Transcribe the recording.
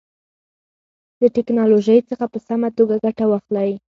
د تکنالوژۍ څخه په سمه توګه ګټه واخلئ.